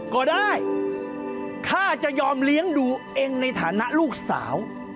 ก็ได้ถ้าจะยอมเลี้ยงดูเองในฐานะลูกสาว